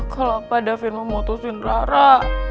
kalau pak davin memutuskan rara